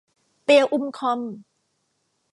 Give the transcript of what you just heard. เตี้ยอุ้มค่อม